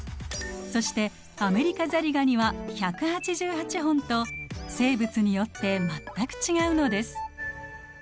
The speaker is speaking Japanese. そしてアメリカザリガニは１８８本と生物によって全く違うのです。